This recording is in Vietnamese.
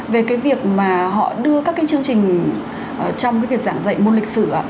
về cái việc mà họ đưa các cái chương trình trong cái việc giảng dạy môn lịch sử